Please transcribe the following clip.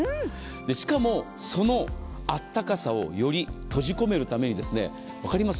しかも、そのあったかさをより閉じ込めるために分かります？